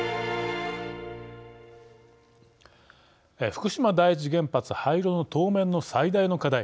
福島第一原発廃炉の当面の最大の課題